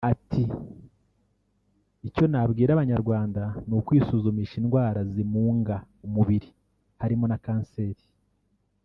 Ati “Icyo nabwira Abanyarwanda ni ukwisuzumisha indwara zimunga umubiri harimo za kanseri